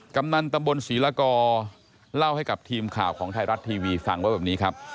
กำนันตำบลศรีละกอเล่าให้กับทีมข่าวของไทยรัฐทีวีฟังไว้แบบนี้ครับ